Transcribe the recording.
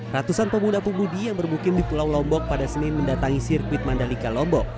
ratusan pemuda pemudi yang bermukim di pulau lombok pada senin mendatangi sirkuit mandalika lombok